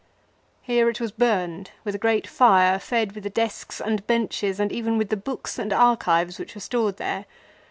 Here it was burned with a great fire fed with the desks and benches and even with the books and archives which were stored there.